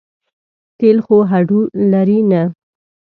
تېل خو هډو لري نه.